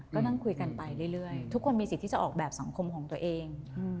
ก็นั่งคุยกันไปเรื่อยทุกคนมีสิทธิ์ที่จะออกแบบสังคมของตัวเอง